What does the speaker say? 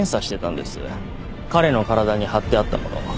彼の体に張ってあった物。